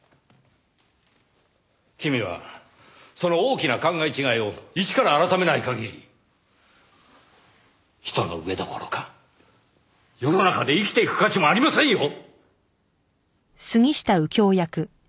君はその大きな考え違いを一から改めない限り人の上どころか世の中で生きていく価値もありませんよ！